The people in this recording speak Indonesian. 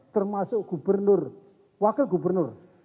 termasuk gubernur wakil gubernur dan pemerintah